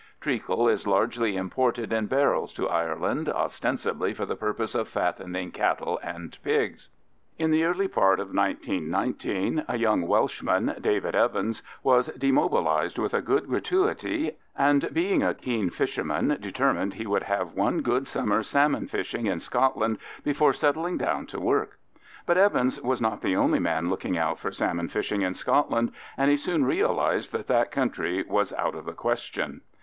Treacle is largely imported in barrels to Ireland, ostensibly for the purpose of fattening cattle and pigs. In the early part of 1919 a young Welshman, David Evans, was demobilised with a good gratuity, and being a keen fisherman, determined he would have one good summer's salmon fishing in Scotland before settling down to work. But Evans was not the only man looking out for salmon fishing in Scotland, and he soon realised that that country was out of the question.